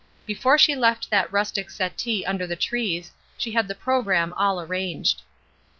Before she left that rustic settee under the trees she had the programme all arranged.